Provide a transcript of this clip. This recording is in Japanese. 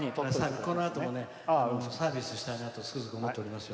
このあともサービスしたいなとつくづく思っておりますけど。